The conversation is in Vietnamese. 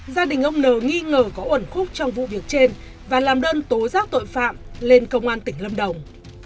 gia đình ông n nghi ngờ có uẩn khúc trong vụ việc trên và làm đơn tố giác tội phạm lên công an tỉnh lâm đồng